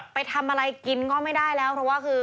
ไปทำอะไรกินก็ไม่ได้แล้วเพราะว่าคือ